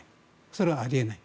それはあり得ない。